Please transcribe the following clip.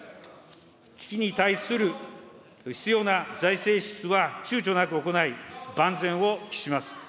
危機に対する必要な財政支出はちゅうちょなく行い、万全を期します。